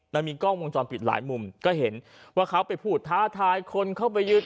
มันมีกล้องวงจรปิดหลายมุมก็เห็นว่าเขาไปพูดท้าทายคนเข้าไปยืน